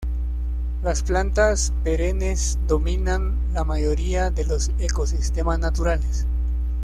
Las plantas perennes dominan la mayoría de los ecosistemas naturales.